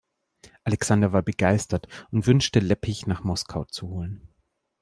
Alexander war begeistert und wünschte, Leppich nach Moskau zu holen.